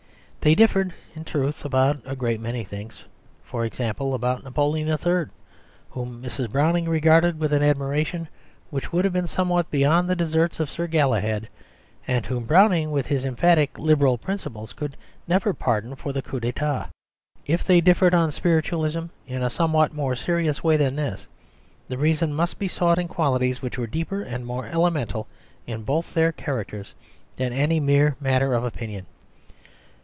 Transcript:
They differed, in truth, about a great many things, for example, about Napoleon III. whom Mrs. Browning regarded with an admiration which would have been somewhat beyond the deserts of Sir Galahad, and whom Browning with his emphatic Liberal principles could never pardon for the Coup d'État. If they differed on spiritualism in a somewhat more serious way than this, the reason must be sought in qualities which were deeper and more elemental in both their characters than any mere matter of opinion.